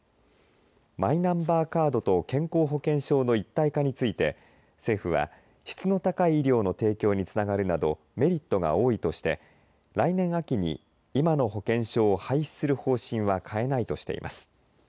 マイナンバーカードと健康保険証の一体化について政府は質の高い医療の提供につながるなどメリットが多いとして来年秋に今の保険証を廃止する方針は変えないとしています。